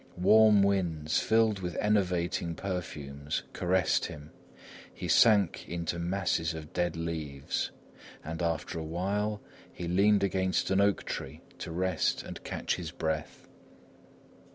Warm winds, filled with enervating perfumes, caressed him; he sank into masses of dead leaves, and after a while he leaned against an oak tree to rest and catch his breath.